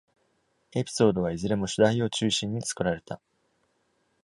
エピソードはいずれも主題を中心に作られた。